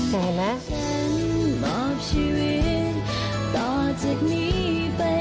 เห็นไหม